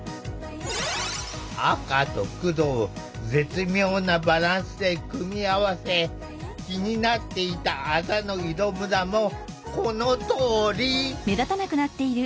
赤と黒を絶妙なバランスで組み合わせ気になっていたあざの色むらもこのとおり！